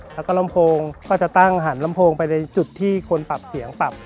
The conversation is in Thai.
แล้วก็ลำโพงก็จะตั้งหันลำโพงไปในจุดที่คนปรับเสียงปรับ